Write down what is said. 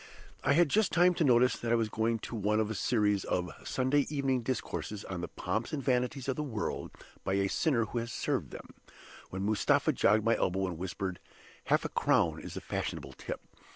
I had just time to notice that I was going to one of a series of 'Sunday Evening Discourses on the Pomps and Vanities of the World, by A Sinner Who Has Served Them,' when Mustapha jogged my elbow, and whispered, 'Half a crown is the fashionable tip.